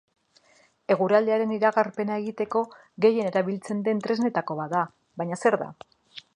Eguraldiaren iragarpena egiteko gehien erabiltzen den tresnetako bat da, baina zer da?